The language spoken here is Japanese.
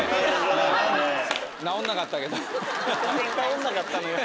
直んなかったけど。